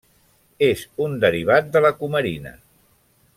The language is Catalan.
És un derivat de la cumarina.